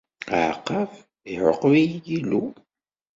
Aɛaqeb, iɛuqeb-iyi Yillu.